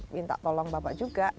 minta tolong bapak juga